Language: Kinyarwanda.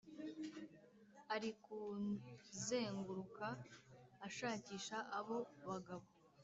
arikuzenguruka ashakisha abo bagabo